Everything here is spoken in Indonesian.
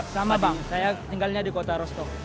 sama bang saya tinggalnya di kota rostok